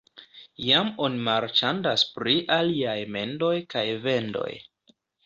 Jam oni marĉandas pri aliaj mendoj kaj vendoj.